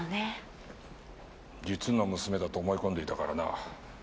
実の娘だと思い込んでいたからな。